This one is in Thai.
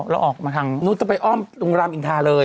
เราออกมาทางนู้นต้องไปอ้อมตรงรามอินทาเลย